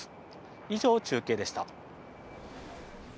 以上、中継でした。